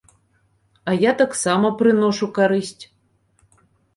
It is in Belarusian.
А я таксама прыношу карысць.